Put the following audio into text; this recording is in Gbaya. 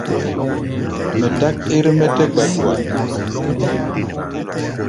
Mɛ dák ɛ́r-mɛ́ tɛ́ gbadua.